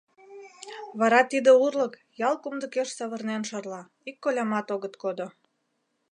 Вара тиде урлык ял кумдыкеш савырнен шарла, ик колямат огыт кодо.